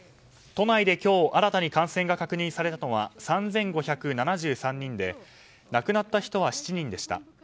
都内で今日新たに感染が確認されたのは３５７３人で亡くなった人は７人でした。